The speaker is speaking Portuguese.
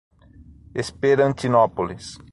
Esperantinópolis